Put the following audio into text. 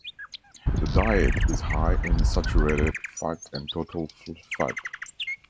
The diet is high in saturated fat and total fat.